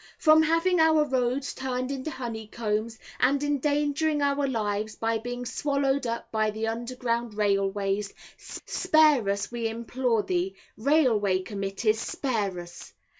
From having our roads turned into honeycombs, and endangering our lives by being swallowed up by the underground railways, spare us we implore thee. Railway Committees, spare us.